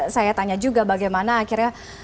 saya tanya juga bagaimana akhirnya